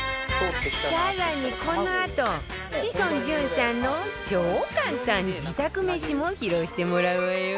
更にこのあと志尊淳さんの超簡単自宅飯も披露してもらうわよ